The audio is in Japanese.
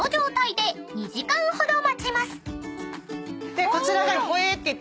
でこちらが。